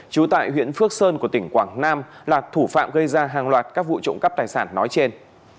trú tại huyện phước sơn của tỉnh quảng nam là thủ phạm gây ra hàng loạt các vụ trộm cắp tài sản nói trên